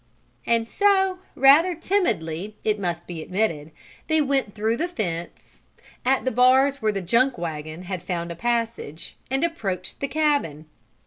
And so, rather timidly it must be admitted, they went through the fence, at the bars where the junk wagon had found a passage, and approached the cabin.